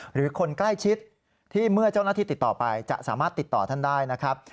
หรือคนใกล้ชิดที่เมื่อเจ้าหน้าที่ติดต่อไปจะสามารถติดต่อท่านได้นะครับ